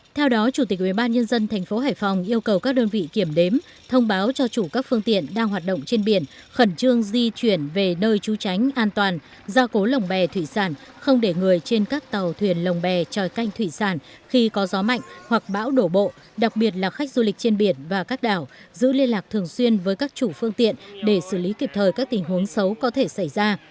theo đó chủ tịch ubnd tp hải phòng yêu cầu các đơn vị kiểm đếm thông báo cho chủ các phương tiện đang hoạt động trên biển khẩn trương di chuyển về nơi trú tránh an toàn ra cố lồng bè thủy sản không để người trên các tàu thuyền lồng bè tròi canh thủy sản khi có gió mạnh hoặc bão đổ bộ đặc biệt là khách du lịch trên biển và các đảo giữ liên lạc thường xuyên với các chủ phương tiện để xử lý kịp thời các tình huống xấu có thể xảy ra